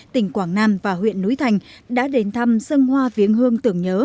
tỉnh quảng nam và huyện núi thành đã đến thăm dân hoa viếng hương tưởng nhớ